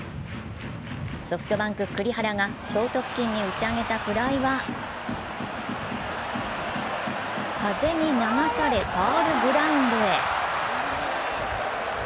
ソフトバンク・栗原がショート付近に打ち上げたフライは風に流されファウルグラウンドへ。